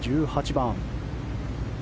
１８番。